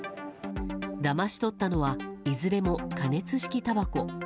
だまし取ったのはいずれも加熱式たばこ。